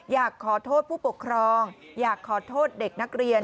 อยากขอโทษผู้ปกครองอยากขอโทษเด็กนักเรียน